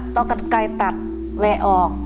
ต้องกันไกลตัดแวะออก